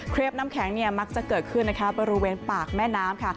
เคล็บน้ำแข็งมักจะเกิดขึ้นนะคะบริเวณปากแม่น้ำ